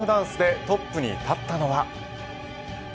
初日のリズムダンスでトップに立ったのは。